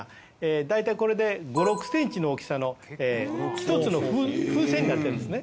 だいたいこれで５６ｃｍの大きさの１つの風船になってるんですね。